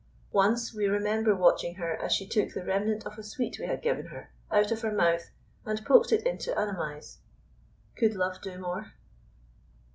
Once we remember watching her, as she took the remnant of a sweet we had given her, out of her mouth and poked it into Annamai's. Could love do more?